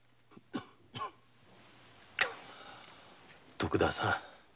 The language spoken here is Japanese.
徳田さん。